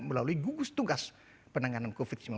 melalui gugus tugas penanganan covid sembilan belas